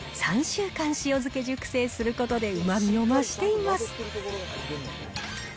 ３週間塩漬け熟成することで、うまみを増しています。